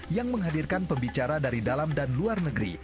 yang menghadirkan pembicara dari dalam dan luar negeri